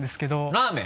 ラーメン？